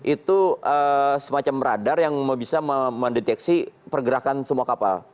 itu semacam radar yang bisa mendeteksi pergerakan semua kapal